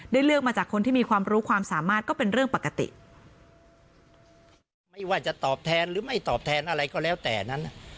เลือกมาจากคนที่มีความรู้ความสามารถก็เป็นเรื่องปกติไม่ว่าจะตอบแทนหรือไม่ตอบแทนอะไรก็แล้วแต่นั้น